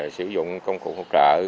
sử dụng công cụ hợp trợ